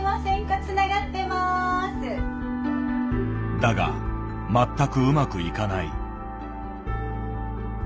だが全くうまくいかない。